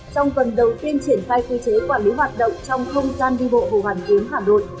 trong tuần đầu tiên triển khai quy chế quản lý hoạt động trong không gian đi bộ hồ hoàn kiếm hà nội